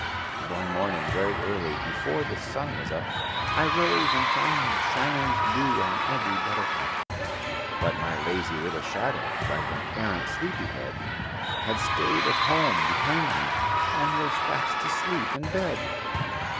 One morning, very early, before the sun was up, I rose and found the shining dew on every buttercup; But my lazy little shadow, like an arrant sleepy head, Had stayed at home behind me and was fast asleep in bed!